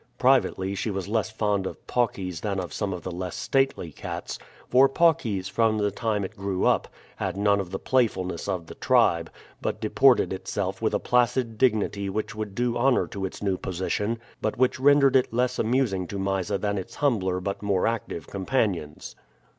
Privately she was less fond of Paucis than of some of the less stately cats; for Paucis, from the time it grew up, had none of the playfulness of the tribe, but deported itself with a placid dignity which would do honor to its new position, but which rendered it less amusing to Mysa than its humbler but more active companions.